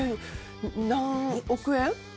何億円？